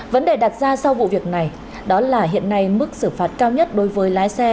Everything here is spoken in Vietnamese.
vấn đề đặt ra sau vụ việc này đó là hiện nay mức xử phạt cao nhất đối với lái xe